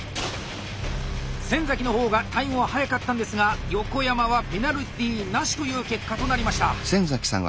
先の方がタイムは早かったんですが横山はペナルティなしという結果となりました。